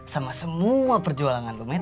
sama semua perjualangan lo met